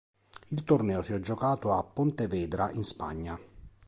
Il torneo si è giocato a Pontevedra in Spagna.